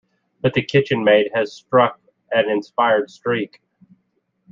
But the kitchen maid has struck an inspired streak.